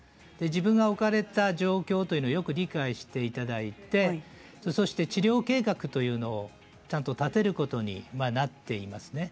自分が置かれた状況をよく理解していただいて治療計画というものを、ちゃんと立てることになっていますね。